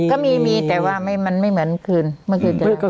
ก็มีแต่ว่ามันไม่เหมือนคืนเมื่อกี้เช่นกว่า